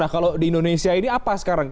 nah kalau di indonesia ini apa sekarang